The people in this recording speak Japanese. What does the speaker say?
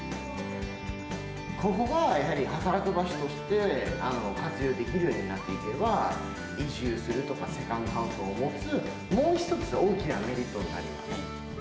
ここがやはり働く場所として活用できるようになっていけば、移住するとか、セカンドハウスを持つ、もう一つの大きなメリットになりますね。